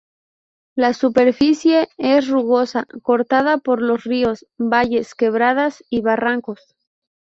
La superficie es rugosa, cortada por los ríos, valles, quebradas y barrancos.